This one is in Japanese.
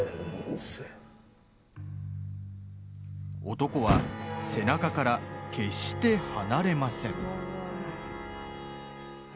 男は背中から決して離れません。